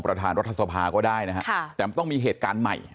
ประธานรัฐสภาก็ได้นะฮะแต่มันต้องมีเหตุการณ์ใหม่